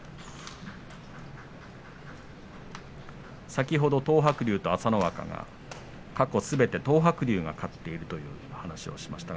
先ほど東白龍と朝乃若が過去すべて東白龍が勝っているという話をしました。